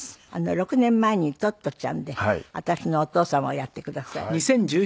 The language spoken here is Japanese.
６年前に『トットちゃん！』で私のお父様をやってくださいました